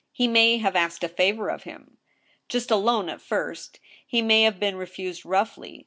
he may have asked a favor of him, just a loan at first. He may have been refused roughly.